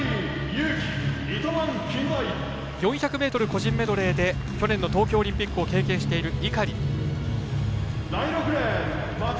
４００ｍ個人メドレーで去年の東京オリンピックを経験している、井狩。